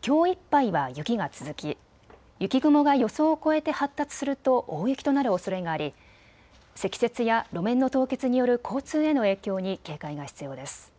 きょういっぱいは雪が続き雪雲が予想を超えて発達すると大雪となるおそれがあり積雪や路面の凍結による交通への影響に警戒が必要です。